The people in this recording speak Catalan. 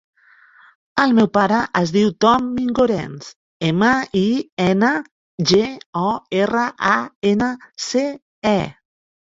El meu pare es diu Ton Mingorance: ema, i, ena, ge, o, erra, a, ena, ce, e.